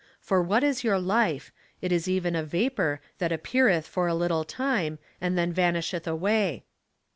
For what is your life? It is even a vapor, that appeareth for a little time, and then vanisheth away."